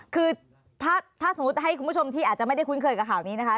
คือถ้าสมมุติให้คุณผู้ชมที่อาจจะไม่ได้คุ้นเคยกับข่าวนี้นะคะ